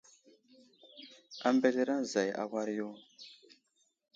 Ambelereŋ zay a war yo.